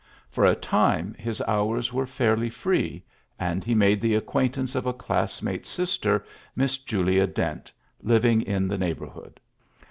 For a time his hours were fairly free ; and he made the acquaintaince of a classmate's sister, Miss Julia Dent, living in the neighbour hood.